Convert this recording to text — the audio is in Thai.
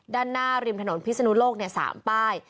ด้านหน้าริมถนนพิศนุโลก๓ป้าย